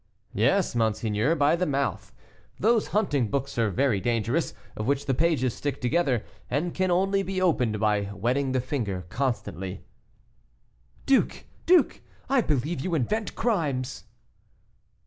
"Yes, monseigneur, by the mouth. Those hunting books are very dangerous, of which the pages stick together, and can only be opened by wetting the finger constantly." "Duke! duke! I believe you invent crimes."